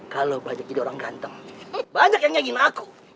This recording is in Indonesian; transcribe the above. kalau banyak jadi orang ganteng banyak yang nyanyiin aku